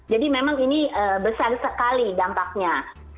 jadi memang ini besar sekali dampaknya